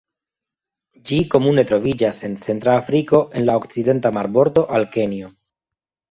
Ĝi komune troviĝas en Centra Afriko el la okcidenta marbordo al Kenjo.